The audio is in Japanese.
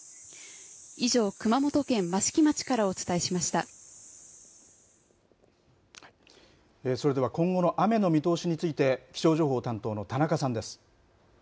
以上、熊本県益城町からお伝えしそれでは、今後の雨の見通しについて、気象情報担当の田中さんです。